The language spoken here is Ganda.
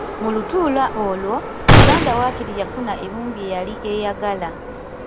Mu lutuula olwo, Buganda waakiri yafuna ebimu ku bye yali eyagala.